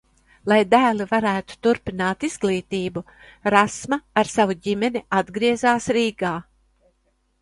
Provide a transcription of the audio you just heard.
Lai dēli varētu turpināt izglītību, Rasma ar savu ģimeni atgriezās Rīgā.